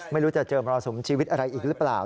ไม่รู้จะเจอมรสุมชีวิตอะไรอีกหรือเปล่า